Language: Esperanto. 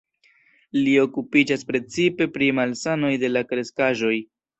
Li okupiĝas precipe pri malsanoj de la kreskaĵoj.